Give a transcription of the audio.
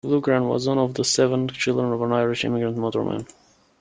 Loughran was one of seven children of an Irish immigrant motorman.